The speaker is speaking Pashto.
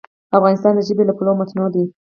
افغانستان د ژبې له پلوه متنوع دی.